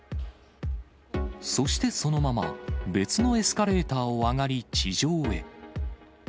そしてそのまま、別のエスカレーターを上がり、地上へ。